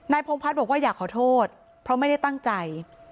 พงพัฒน์บอกว่าอยากขอโทษเพราะไม่ได้ตั้งใจ